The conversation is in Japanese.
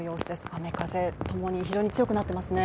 雨風ともに非常に強くなってますよね。